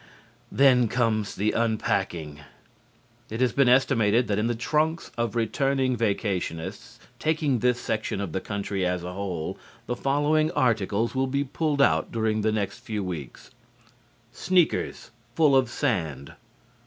Then comes the unpacking. It has been estimated that in the trunks of returning vacationists, taking this section of the country as a whole, the following articles will be pulled out during the next few weeks: Sneakers, full of sand.